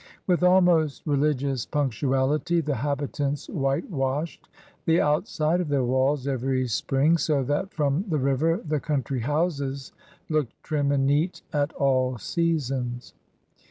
With almost religious pimctuality the habitants whitewashed the out side of their walls every spring, so that from the river the country houses looked trim and neat at all seasons.